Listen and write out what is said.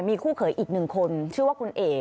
มีคู่เขยอีกหนึ่งคนชื่อว่าคุณเอก